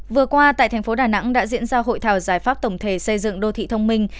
vừa qua tại thành phố đà nẵng đã diễn ra hội thảo giải pháp tổng thể xây dựng đô thị thông minh